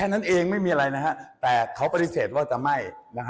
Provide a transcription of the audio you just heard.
นั้นเองไม่มีอะไรนะฮะแต่เขาปฏิเสธว่าจะไม่